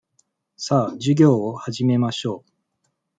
さあ、授業を始めましょう。